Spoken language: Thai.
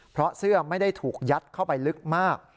เพราะเสื้อไม่ได้ถูกยัดเข้าไปลึกมาก